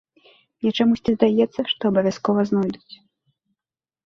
Мне чамусьці здаецца, што абавязкова знойдуць.